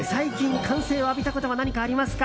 最近、歓声を浴びたことは何かありますか？